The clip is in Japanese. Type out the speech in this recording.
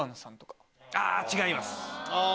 違います！